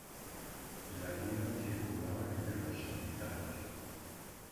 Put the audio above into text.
La lira circulaba entre los invitados.